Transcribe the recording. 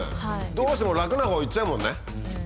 どうしても楽なほういっちゃうもんね。